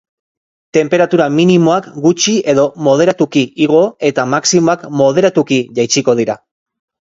Tenperatura minimoak gutxi edo moderatuki igo eta maximoak moderatuki jaitsiko dira.